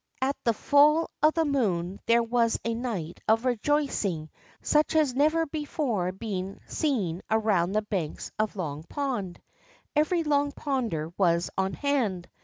At the full of the moon there was a night of rejoicing such as had never before been seen around the banks of Long Pond. Every Long Ponder was on hand.